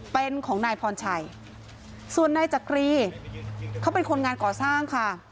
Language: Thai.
เป็นของนายพรชัยส่วนนายจักรีเขาเป็นคนงานก่อสร้างค่ะ